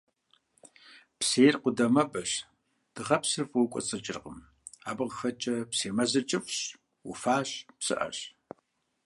Псейр къудамэбэщ, дыгъэпсыр фӀыуэ кӀуэцӀрыкӀыркъым, абы къыхэкӀкӀэ псей мэзыр кӀыфӀщ, уфащ, псыӀэщ.